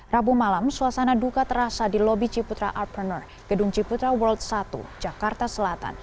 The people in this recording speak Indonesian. rabu malam suasana duka terasa di lobi ciputra artpreneur gedung ciputra world satu jakarta selatan